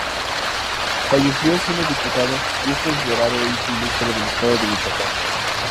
Falleció siendo Diputado y es considerado hijo Ilustre del Estado de Michoacán.